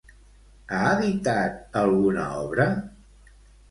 Ha editat alguna obra?